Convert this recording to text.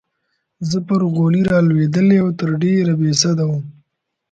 زه پر غولي رالوېدلې او تر ډېره بې سده وم.